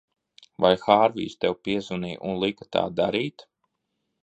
Vai Hārvijs tev piezvanīja un lika tā darīt?